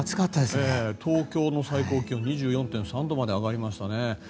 東京の最高気温２４．３度まで上がりましたね。